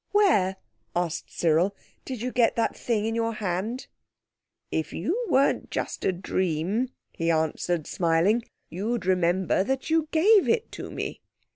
"Where," asked Cyril, "did you get that thing in your hand?" "If you weren't just a dream," he answered, smiling, you'd remember that you gave it to me."